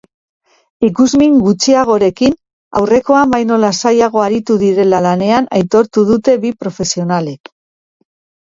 Ikusmin gutxiagorekin, aurrekoan baino lasaiago aritu direla lanean aitortu dute bi profesionalek.